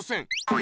え？